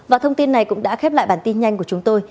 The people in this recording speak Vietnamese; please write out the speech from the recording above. và thông tin này cũng đã khép lại bản tin nhanh của chúng tôi